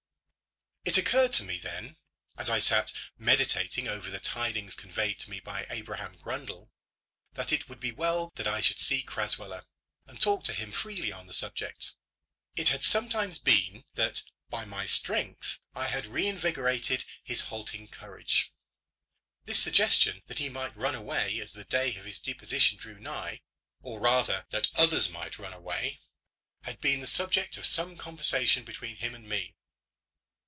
It occurred to me then, as I sat meditating over the tidings conveyed to me by Abraham Grundle, that it would be well that I should see Crasweller, and talk to him freely on the subject. It had sometimes been that by my strength I had reinvigorated his halting courage. This suggestion that he might run away as the day of his deposition drew nigh, or rather, that others might run away, had been the subject of some conversation between him and me.